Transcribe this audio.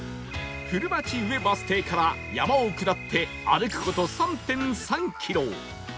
古町上バス停から山を下って歩く事 ３．３ キロ